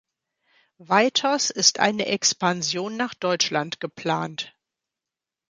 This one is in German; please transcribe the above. Weiters ist eine Expansion nach Deutschland geplant.